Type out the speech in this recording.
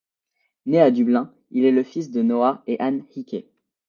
Né à Dublin, il est le fils de Noah et Anne Hickey.